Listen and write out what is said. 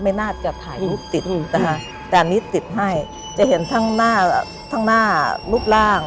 ไม่น่าจะถ่ายรูปติดนะคะแต่อันนี้ติดให้จะเห็นทั้งหน้าทั้งหน้ารูปร่าง